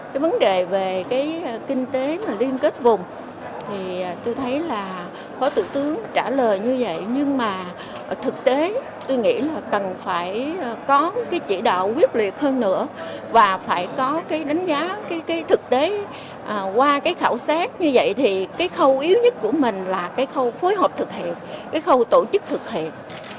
cái vấn đề về cái kinh tế mà liên kết vùng thì tôi thấy là phó thủ tướng trả lời như vậy nhưng mà thực tế tôi nghĩ là cần phải có cái chỉ đạo quyết liệt hơn nữa và phải có cái đánh giá cái thực tế qua cái khảo sát như vậy thì cái khâu yếu nhất của mình là cái khâu phối hợp thực hiện cái khâu tổ chức thực hiện